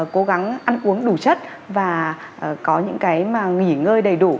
cố gắng ăn uống đủ chất và có những cái mà nghỉ ngơi đầy đủ